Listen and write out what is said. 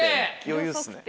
余裕っすね。